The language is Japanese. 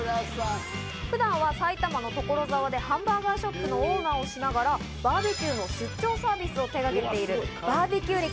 普段は埼玉の所沢でハンバーガーショップのオーナーをしながらバーベキューの出張サービスを手がけているバーベキュー歴